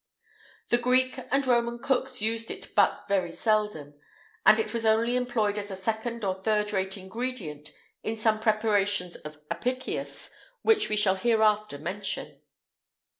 [IX 192] The Greek and Roman cooks used it but very seldom, and it was only employed as a second or third rate ingredient in some preparations of Apicius which we shall hereafter mention.